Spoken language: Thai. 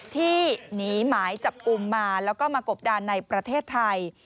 ที่หนีหมายจับกลุ่มมาแล้วก็มากบดานในประเทศไทย